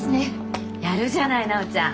やるじゃない奈緒ちゃん。